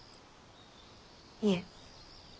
いえ。